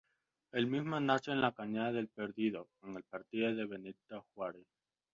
El mismo nace en la cañada del Perdido, en el Partido de Benito Juárez.